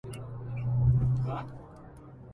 حدثنا فيما مضى صاحب